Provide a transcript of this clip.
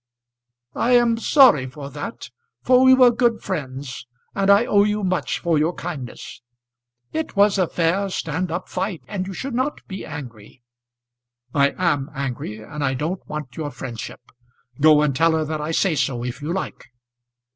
"I am sorry for that, for we were good friends, and I owe you much for your kindness. It was a fair stand up fight, and you should not be angry." "I am angry, and I don't want your friendship. Go and tell her that I say so, if you like."